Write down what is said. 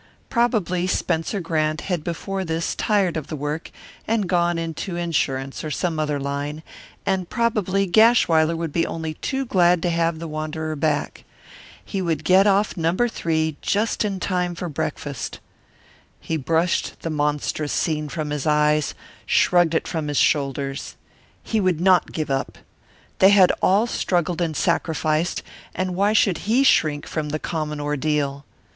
Probably Spencer Grant had before this tired of the work and gone into insurance or some other line, and probably Gashwiler would be only too glad to have the wanderer back. He would get off No. 3 just in time for breakfast. He brushed the monstrous scene from his eyes, shrugged it from his shoulders. He would not give up. They had all struggled and sacrificed, and why should he shrink from the common ordeal?